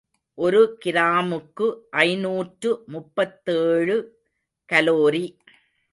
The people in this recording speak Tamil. ஒரு கிராமுக்கு ஐநூற்று முப்பத்தேழு கலோரி.